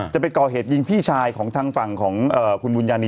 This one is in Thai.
จะไปก่อเหตุยิงพี่ชายของทางฝั่งของคุณบุญญานี